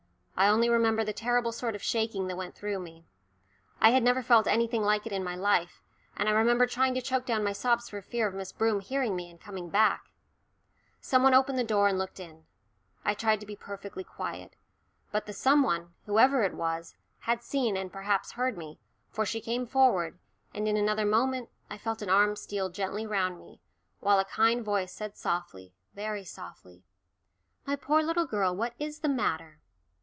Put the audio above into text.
I only remember the terrible sort of shaking that went through me I had never felt anything like it in my life and I remember trying to choke down my sobs for fear of Miss Broom hearing me and coming back. [Illustration: "MY POOR LITTLE GIRL, WHAT IS THE MATTER?"] Some one opened the door and looked in. I tried to be perfectly quiet. But the some one, whoever it was, had seen and perhaps heard me, for she came forward, and in another moment I felt an arm steal gently round me, while a kind voice said softly, very softly, "My poor little girl, what is the matter?"